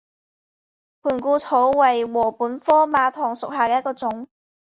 盘固草为禾本科马唐属下的一个种。